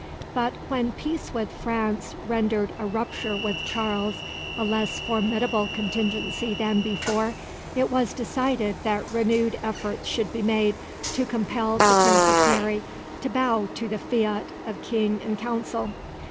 But when peace with France rendered a rupture with Charles a less formidable contingency than before, it was decided that renewed efforts should be made to compel the Princess Mary to bow to the fiat of King and Council.